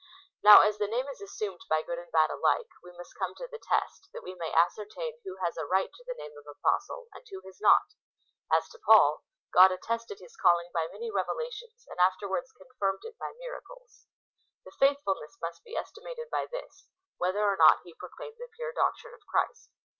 Now, as the name is assumed by good and bad alike, we must come to the test, that we may ascertain who has a right to the name of Apostle, and who has not. As to Paul, God attested his calling by many revelations, and afterwards confirmed it by miracles. The faithfulness must be estimated by this, — whether or not he proclaimed the pure doctrine of Christ.